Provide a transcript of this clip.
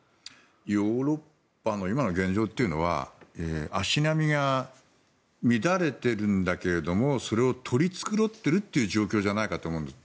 ヨーロッパの今の現状っていうのは足並みが乱れているんだけれどもそれを取り繕っているという状況じゃないかと思うんです。